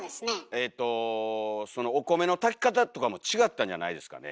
えとお米の炊きかたとかも違ったんじゃないですかね？